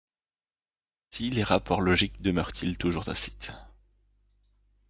Ainsi les rapports logiques demeurent-ils toujours tacites.